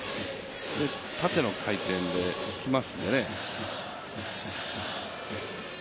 縦の回転で来ますので。